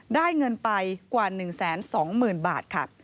ได้เงินไปกว่า๑แสน๒หมื่นบาทค่ะ